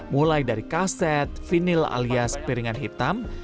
mulai dari kaset vinil alias piringan hitam